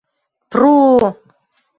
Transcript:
— Тпру-у...